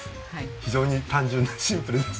非常に単純なシンプルです。